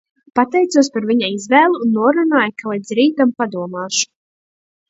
Pateicos par viņa izvēli un norunāju, ka līdz rītam padomāšu.